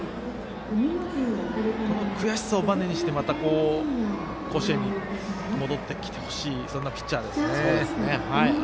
この悔しさをバネにしてまた甲子園に戻ってきてほしいそんなピッチャーですね。